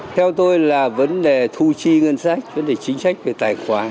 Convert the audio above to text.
theo tôi là vấn đề thu chi ngân sách vấn đề chính sách về tài khoản